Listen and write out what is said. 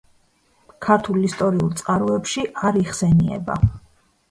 ქართულ ისტორიულ წყაროებში არ იხსენიება.